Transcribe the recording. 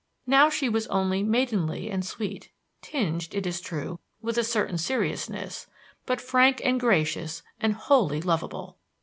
Now she was only maidenly and sweet; tinged, it is true, with a certain seriousness, but frank and gracious and wholly lovable.